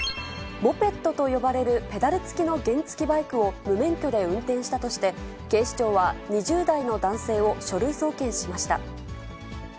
モペットと呼ばれるペダル付きの原付きバイクを無免許で運転したとして、警視庁は２０代の男性を書類送検しました。